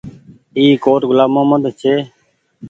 اي ڪوٽ گلآم مهمد ڇي۔